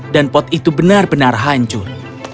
dan pot itu benar benar hancur